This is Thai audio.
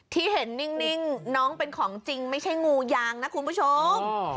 ที่เห็นนิ่งน้องเป็นของจริงไม่ใช่งูยางนะคุณผู้ชม